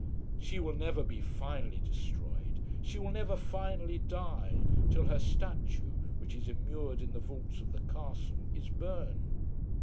She will never be finally destroyed she will never finally die, till her statue, which is immured in the vaults of the castle, is burned.